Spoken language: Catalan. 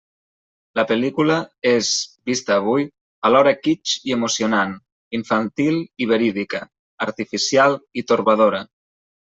La pel·lícula és, vista avui, alhora kitsch i emocionant, infantil i verídica, artificial i torbadora.